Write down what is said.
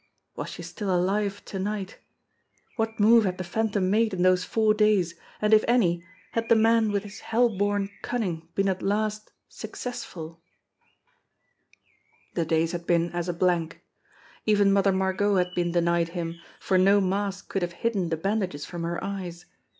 Was she still alive to night? What move had the Phantom made in those four days, and if any, had the man with his hell born cunning been at last successful? 104 JIMMIE DALE AND THE PHANTOM CLUE The days had been as a blank. Even Mother Margot had been denied him, for no mask could have hidden the bandages from her eyes.